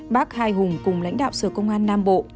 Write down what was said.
bác hai hùng cùng lãnh đạo sở công an nam bộ